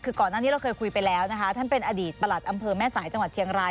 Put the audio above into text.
คือก่อนหน้านี้เราเคยคุยไปแล้วนะคะท่านเป็นอดีตประหลัดอำเภอแม่สายจังหวัดเชียงราย